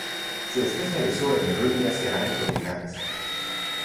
Se especializó en Rubiaceae tropicales.